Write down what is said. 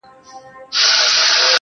پر دې دنیا سوځم پر هغه دنیا هم سوځمه.